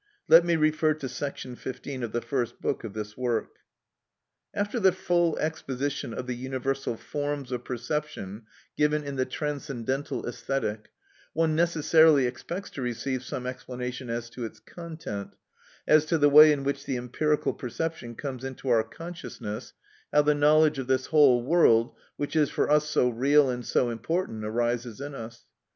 Let me refer to § 15 of the first book of this work. After the full exposition of the universal forms of perception given in the Transcendental Æsthetic, one necessarily expects to receive some explanation as to its content, as to the way in which the empirical perception comes into our consciousness, how the knowledge of this whole world, which is for us so real and so important, arises in us.